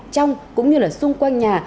trong cũng như là xung quanh nhà